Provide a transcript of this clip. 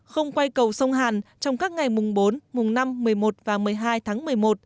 không quay cầu sông hàn trong các ngày mùng bốn mùng năm một mươi một và một mươi hai tháng một mươi một